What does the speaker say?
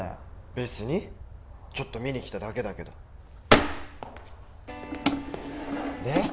べつにちょっと見に来ただけだけどで？